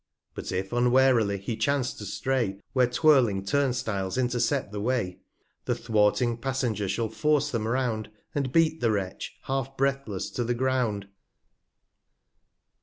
But if unwarily he chance to stray, Where twirling Turnstiles intercept the Way, The thwarting Passenger shall force them round, And beat the Wretch half breathless to the Ground.